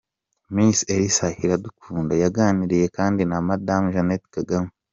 Miss Elsa Iradukunda yaganiriye kandi na Madame Jeannette Kagame.